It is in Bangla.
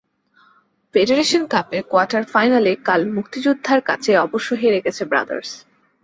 ফেডারেশন কাপের কোয়ার্টার ফাইনালে কাল মুক্তিযোদ্ধার কাছে অবশ্য হেরে গেছে ব্রাদার্স।